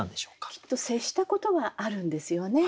きっと接したことはあるんですよね。